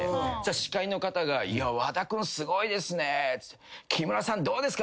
司会の方が「和田君すごいですね」っつって「木村さんどうですか？